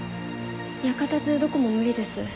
館中どこも無理です。